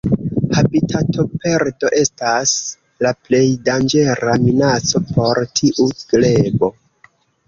Habitatoperdo estas la plej danĝera minaco por tiu grebo.